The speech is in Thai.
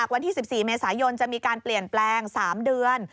วันที่๑๔เมษายนจะมีการเปลี่ยนแปลง๓เดือน